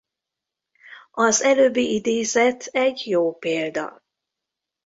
Az előbbi idézet egy jó példa.